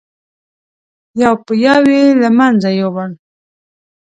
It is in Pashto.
یو په یو یې له منځه یووړل.